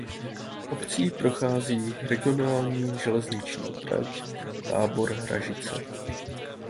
Obcí prochází regionální železniční trať Tábor–Ražice.